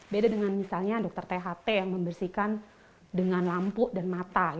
beda dengan misalnya dokter tht yang membersihkan dengan lampu dan mata